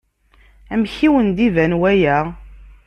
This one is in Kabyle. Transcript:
Amek i wen-d-iban waya?